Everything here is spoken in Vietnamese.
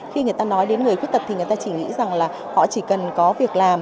khi người ta nói đến người khuyết tật thì người ta chỉ nghĩ rằng là họ chỉ cần có việc làm